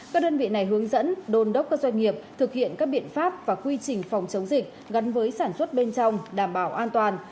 các đơn vị này hướng dẫn đồn đốc các doanh nghiệp thực hiện các biện pháp và quy trình phòng chống dịch gắn với sản xuất bên trong đảm bảo an toàn